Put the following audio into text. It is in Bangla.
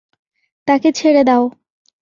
তাকে ছেড়ে দাও।